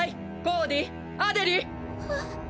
コーディアデリー。